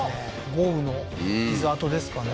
豪雨の傷痕ですかね